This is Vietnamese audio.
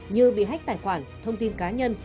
như bị hách tài khoản thông tin cá nhân